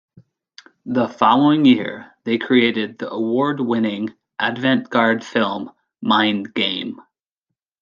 The following year, they created the award-winning avant-garde film "Mind Game".